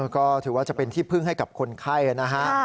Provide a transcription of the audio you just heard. ก็ถือว่าจะเป็นที่พึ่งให้กับคนไข้นะฮะ